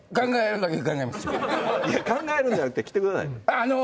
考えるんじゃなくて、来てくださいね。